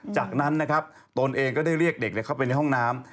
จากนั้นนะครับตนเองก็ได้เรียกเด็กเข้าไปในห้องน้ำ